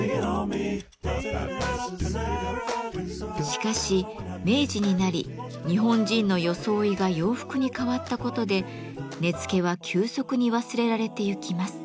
しかし明治になり日本人の装いが洋服に変わったことで根付は急速に忘れられてゆきます。